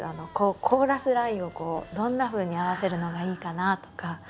コーラスラインをどんなふうに合わせるのがいいかなとか。